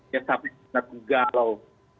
ya sampai sangat galau